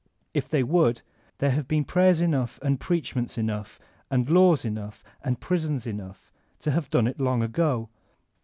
If they would, there have been prayers enough and preachments enough and laws enough and prisons enough to have done it long ago.